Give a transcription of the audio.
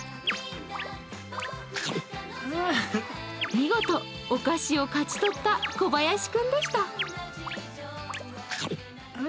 見事、お菓子を勝ち取った小林君でした。